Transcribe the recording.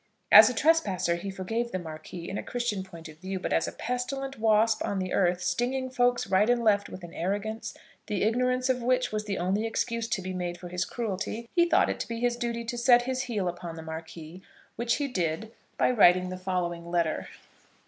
As a trespasser he forgave the Marquis, in a Christian point of view; but as a pestilent wasp on the earth, stinging folks right and left with an arrogance, the ignorance of which was the only excuse to be made for his cruelty, he thought it to be his duty to set his heel upon the Marquis; which he did by writing the following letter.